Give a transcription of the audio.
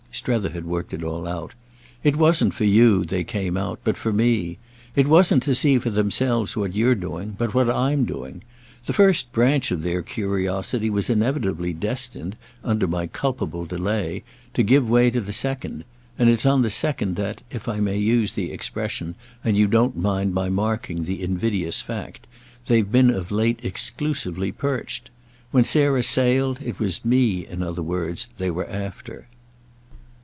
Strether had worked it all out. "It wasn't for you they came out, but for me. It wasn't to see for themselves what you're doing, but what I'm doing. The first branch of their curiosity was inevitably destined, under my culpable delay, to give way to the second; and it's on the second that, if I may use the expression and you don't mind my marking the invidious fact, they've been of late exclusively perched. When Sarah sailed it was me, in other words, they were after."